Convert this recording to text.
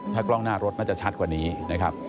ถ้ากล้องหน้ารถน่าจะชัดกว่านี้นะครับ